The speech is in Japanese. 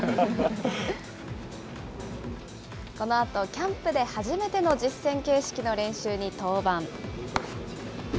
このあとキャンプで初めての実戦形式の練習に登板。